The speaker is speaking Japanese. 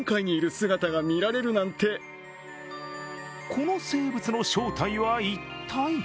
この生物の正体は一体？